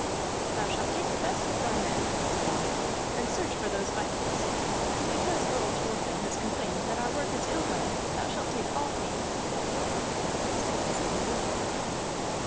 "Thou shalt take the best of thy men," said Ar, "and search for those vikings. And because Earl Thorfinn has complained that our work is ill done, thou shalt take all pains." Sweyn said he would.